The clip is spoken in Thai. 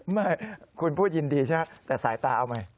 ไม่คุณพูดยินดีใช่ไหมแต่สายตาเอาใหม่